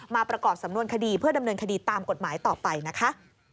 ประกอบสำนวนคดีเพื่อดำเนินคดีตามกฎหมายต่อไปนะคะ